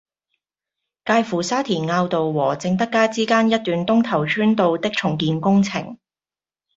介乎沙田坳道和正德街之間一段東頭村道的重建工程